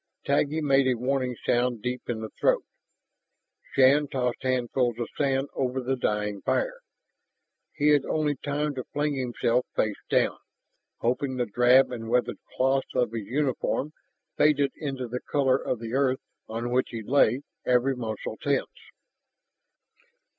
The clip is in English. Taggi made a warning sound deep in the throat. Shann tossed handfuls of sand over the dying fire. He had only time to fling himself face down, hoping the drab and weathered cloth of his uniform faded into the color of the earth on which he lay, every muscle tense.